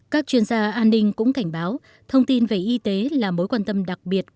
các chuyên gia an ninh cũng cảnh báo thông tin về y tế là mối quan tâm đặc biệt